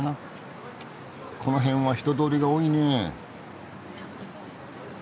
この辺は人通りが多いねえ。